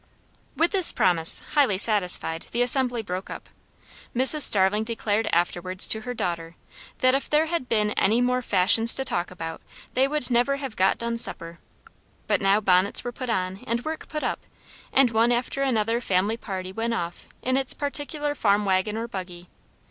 With this promise, highly satisfied, the assembly broke up. Mrs. Starling declared afterwards to her daughter, that if there had been any more fashions to talk about they would never have got done supper. But now bonnets were put on, and work put up, and one after another family party went off in its particular farm waggon or buggy.